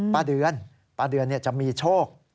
ป้าเดือนป้าเดือนจะมีโชค